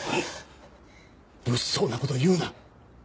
物騒な事言うな。